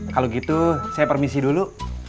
kalau gitu saya permisi dulu